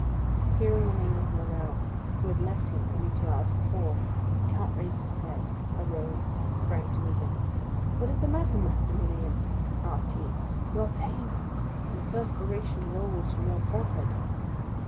Hearing the name of Morrel, who had left him only two hours before, the count raised his head, arose, and sprang to meet him. "What is the matter, Maximilian?" asked he; "you are pale, and the perspiration rolls from your forehead."